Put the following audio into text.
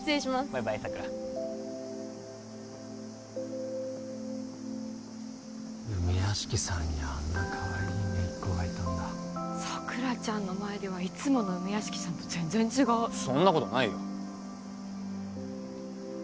バイバイ桜梅屋敷さんにあんなかわいい姪っ子がいたんだ桜ちゃんの前ではいつもの梅屋敷さんと全然違うそんなことないよ